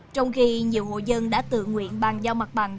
trong khi nhiều hộ dân đã tự nguyện bàn giao mặt bằng